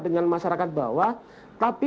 dengan masyarakat bawah tapi